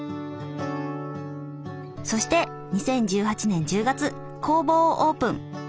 そして２０１８年１０月工房をオープン。